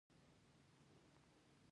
د بند امیر جهیلونه څو دي؟